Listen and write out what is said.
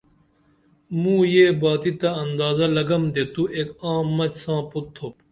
مو یہ باتی تی اندازہ لگم تے تو ایک عام مچ ساں پُت تھوپ